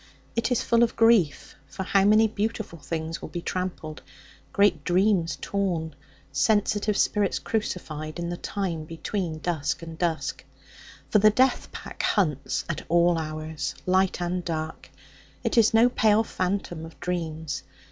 It is full of grief; for how many beautiful things will be trampled, great dreams torn, sensitive spirits crucified in the time between dusk and dusk? For the death pack hunts at all hours, light and dark; it is no pale phantom of dreams.